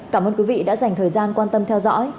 cảm ơn quý vị đã dành thời gian quan tâm theo dõi